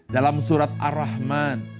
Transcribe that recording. dalam surat ar rahman